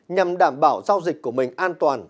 nhằm đảm bảo giao dịch của mình an toàn